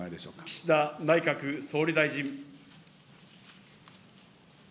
岸田内閣総理大臣。